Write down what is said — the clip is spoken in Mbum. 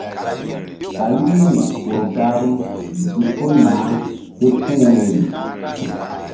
Ɓayu míur gahru gi ko nay képuh woyri.